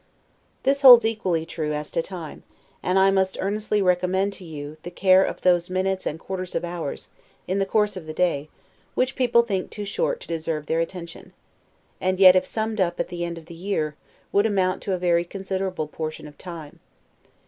This holds equally true as to time; and I most earnestly recommend to you the care of those minutes and quarters of hours, in the course of the day, which people think too short to deserve their attention; and yet, if summed up at the end of the year, would amount to a very considerable portion of time.